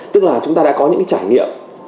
tức là chúng ta đã có những trải nghiệm